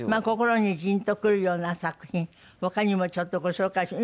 心にジーンとくるような作品他にもちょっとご紹介。